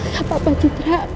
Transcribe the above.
gak apa apa citra